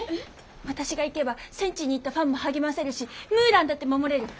私が行けば戦地に行ったファンも励ませるしムーランだって守れる。